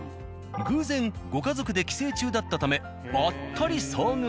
偶然ご家族で帰省中だったためばったり遭遇。